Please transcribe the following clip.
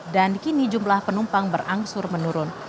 dan kini jumlah penumpang berangsur menurun